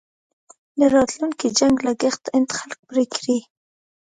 د راتلونکي جنګ لګښت هند خلک پرې کړي.